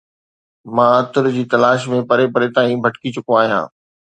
مان عطر جي تلاش ۾ پري پري تائين ڀٽڪي چڪو آهيان